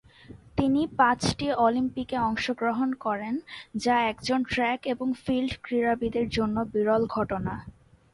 তিনি পাঁচটি অলিম্পিকে অংশগ্রহণ করেন, যা একজন ট্র্যাক এবং ফিল্ড ক্রীড়াবিদের জন্য বিরল ঘটনা।